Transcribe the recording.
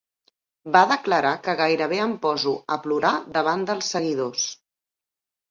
Va declarar que gairebé em poso a plorar davant dels seguidors.